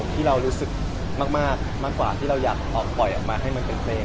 ที่เรารู้สึกมากกว่าที่เราอยากปล่อยออกมาให้มันเป็นเพลง